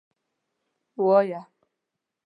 _وايه.